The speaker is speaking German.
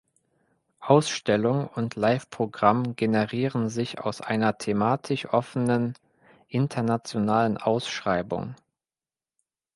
Ausstellung und Liveprogramm generieren sich aus einer thematisch offenen internationalen Ausschreibung.